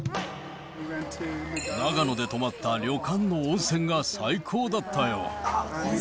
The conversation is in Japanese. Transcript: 長野で泊まった旅館の温泉が最高だったよ。